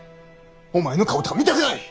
お前の顔とか見たくない！